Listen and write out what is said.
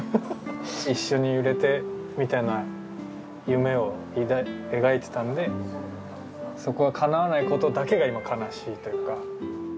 一緒に売れてみたいな夢を描いてたんで、そこがかなわないことだけが、今、悲しいというか。